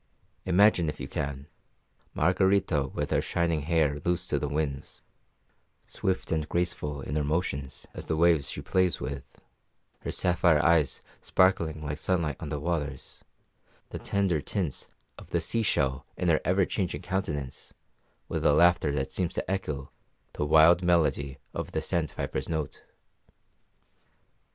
Imagine, if you can, Margarita with her shining hair loose to the winds, swift and graceful in her motions as the waves she plays with, her sapphire eyes sparkling like sunlight on the waters, the tender tints of the sea shell in her ever changing countenance, with a laughter that seems to echo the wild melody of the sandpiper's note.